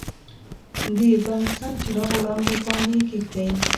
د بنسن چراغ وړانګو باندې یې کیږدئ.